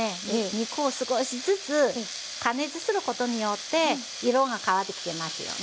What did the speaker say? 肉を少しずつ加熱することによって色が変わってきてますよね。